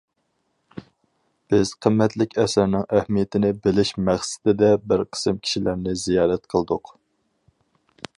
بىز قىممەتلىك ئەسەرنىڭ ئەھمىيىتىنى بىلىش مەقسىتىدە بىر قىسىم كىشىلەرنى زىيارەت قىلدۇق.